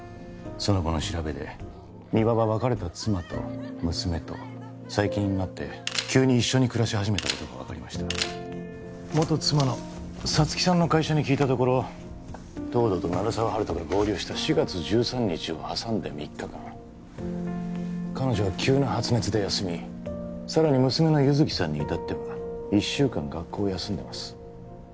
その後の調べで三輪は別れた妻と娘と最近になって急に一緒に暮らし始めたことが分かりました元妻の沙月さんの会社に聞いたところ東堂と鳴沢温人が合流した４月１３日を挟んで３日間彼女は急な発熱で休みさらに娘の優月さんにいたっては１週間学校を休んでます